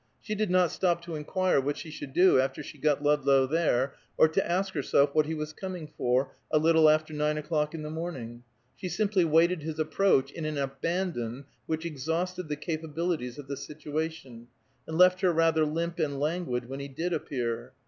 She did not stop to inquire what she should do after she got Ludlow there, or to ask herself what he was coming for, a little after nine o'clock in the morning; she simply waited his approach in an abandon which exhausted the capabilities of the situation, and left her rather limp and languid when he did appear.